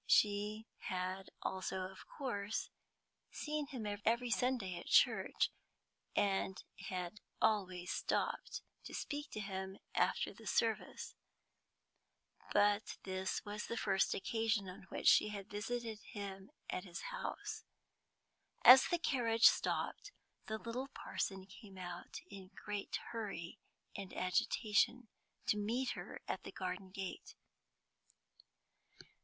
She had also, of course, seen him every Sunday at church, and had always stopped to speak to him after the service; but this was the first occasion on which she had visited him at his house. As the carriage stopped, the little parson came out, in great hurry and agitation, to meet her at the garden gate.